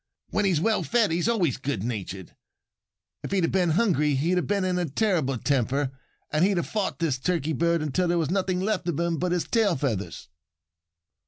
When he's well fed he's always good natured. If he had been hungry he'd have been in a terrible temper. And he'd have fought this Turkey bird until there was nothing left of him but his tail feathers."